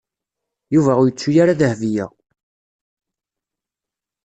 Yuba ur yettu ara Dahbiya.